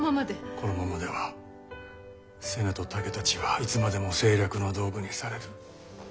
このままでは瀬名と竹たちはいつまでも政略の道具にされる。